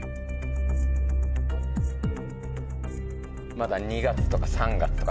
まだ２月とか３月とか。